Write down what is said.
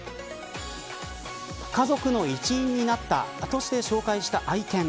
家族の一員になったとして紹介した愛犬。